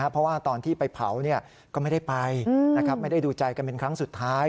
เพราะว่าตอนที่ไปเผาก็ไม่ได้ไปไม่ได้ดูใจกันเป็นครั้งสุดท้าย